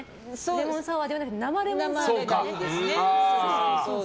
レモンサワーではなくて生レモンサワーですね。